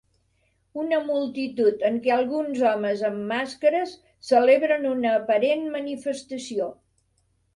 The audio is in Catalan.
Una multitud en què alguns homes amb màscares celebren una aparent manifestació.